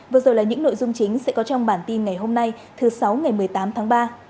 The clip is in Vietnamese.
vừa rồi là những nội dung chính sẽ có trong bản tin ngày hôm nay thứ sáu ngày một mươi tám tháng ba